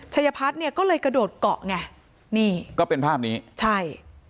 ชัยพัฒน์เนี่ยก็เลยกระโดดเกาะไงนี่ก็เป็นภาพนี้ใช่